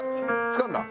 つかんだ？